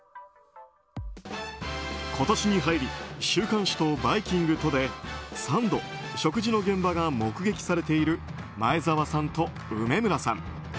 今年に入り週刊誌と「バイキング」とで３度食事の現場が目撃されている前澤さんと梅村さん。